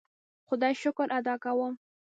خدای شکر ادا کوم.